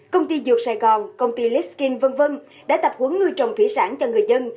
công ty dược sài gòn công ty lisking v v đã tập huấn nuôi trồng thủy sản cho người dân